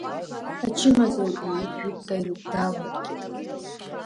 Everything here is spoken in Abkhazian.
Ачымазаҩ ииржәит, далиргеит.